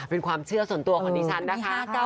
เป็นความเชื่อส่วนตัวของดิฉันนะคะ